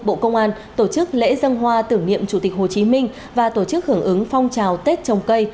bộ công an tổ chức lễ dân hoa tưởng niệm chủ tịch hồ chí minh và tổ chức hưởng ứng phong trào tết trồng cây